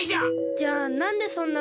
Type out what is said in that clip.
じゃあなんでそんなうわさが？